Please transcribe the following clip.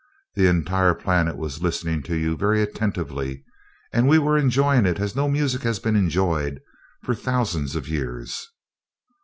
"The entire planet was listening to you very attentively we were enjoying it as no music has been enjoyed for thousands of years."